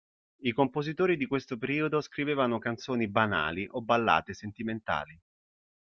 I compositori di questo periodo scrivevano canzoni banali o ballate sentimentali.